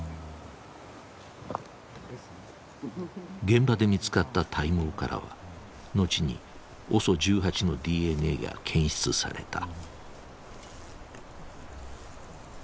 現場で見つかった体毛からは後にＯＳＯ１８のＤＮＡが検出された。